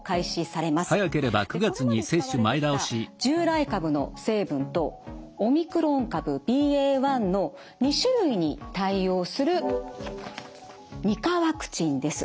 これまで使われてきた従来株の成分とオミクロン株ＢＡ．１の２種類に対応する２価ワクチンです。